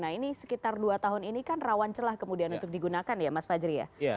nah ini sekitar dua tahun ini kan rawan celah kemudian untuk digunakan ya mas fajri ya